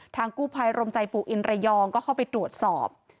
กู้ภัยรมใจปู่อินระยองก็เข้าไปตรวจสอบ